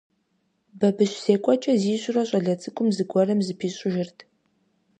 Бабыщ зекӀуэкӀэ зищӀурэ щӀалэ цӀыкӀум зыгуэрым зыпищӀыжырт.